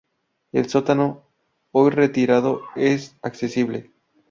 El sótano, hoy retirado, es accesible.